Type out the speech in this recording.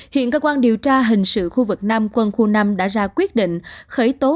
hiện cơ quan điều tra hình sự khu vực nam quân khu năm đã ra quyết định khởi tố